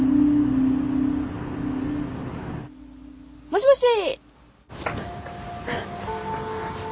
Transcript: もしもし。